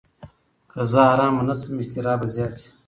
که زه ارامه نه شم، اضطراب به زیات شي.